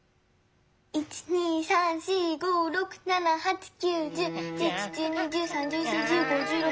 １２３４５６７８９１０１１１２１３１４１５１６。